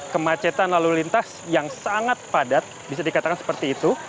kemacetan lalu lintas yang sangat padat bisa dikatakan seperti itu